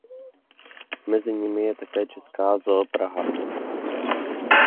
Mezi nimi je také česká Zoo Praha.